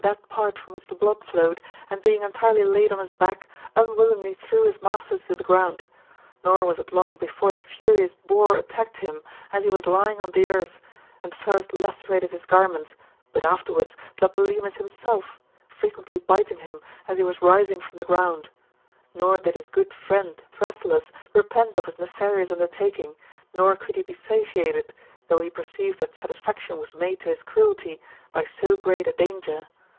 that part from which the blood flowed, and being entkdy kid on his back, unwillingly threw his master to the ground. Nor was it long before the furious boar attacked him, as he was lying on the earth, and first ^lacerated his garments, but aftenrards Tlepolemus himself, frequently biting him, as he was rfeittg GOLDEN ASSy OF APULBIUS. — BOOK VIII. 125 btftx^ the ground. Nor did his good friend FThrasyllus] repent of his nefarious undertaking, nor could he be satiated, though he perceived that satisfaction was made to his cruelty, by sp great a danger.